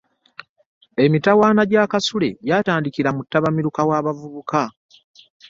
Emitawaana gya Kasule gyatandikira mu ttabamiruka w'abavubuka